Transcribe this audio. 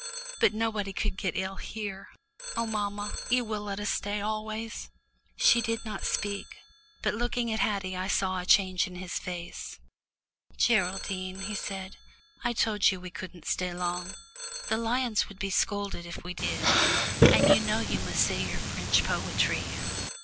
But nobody could get ill here. Oh, mamma, you will let us stay always." She did not speak, but looking at Haddie I saw a change in his face. "Geraldine," he said, "I told you we couldn't stay long. The lions would be scolded if we did, and you know you must say your French poetry."